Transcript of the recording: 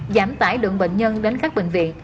giảm tải lượng bệnh nhân đến các bệnh viện